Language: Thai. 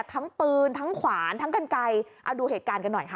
ทั้งปืนทั้งขวานทั้งกันไกลเอาดูเหตุการณ์กันหน่อยค่ะ